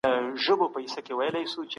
که بيکاري له منځه لاړه سي ټولنه به هوسا سي.